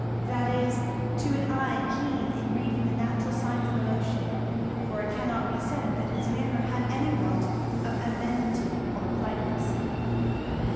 That is, to an eye keen in reading the natural signs of emotion; for it cannot be said that his manner had any want of amenity or politeness.